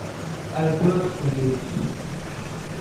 I pursed the lips.